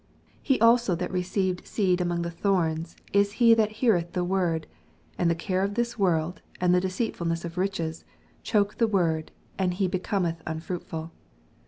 22 He also that leceived seed among the thorns is he that heareth the word ; and the care of this world^ and the deceitiiilness of riches, cnoko th« word, and he beoometh unfruitful.